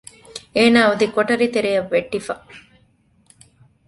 އޭނާ އޮތީ ކޮޓަރި ތެރެއަށް ވެއްޓިފަ